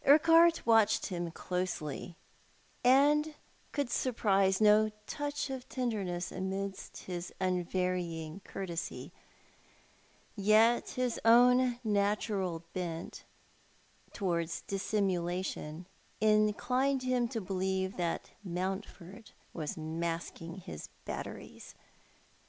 Urqubart watched him closely, and could surprise no touch of tenderness amidst his unvarying courtesy ; yet his own natural bent towards dissimulation inclined him to believe that Mountford was masking his batteries.